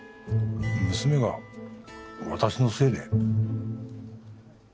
娘が私のせいで？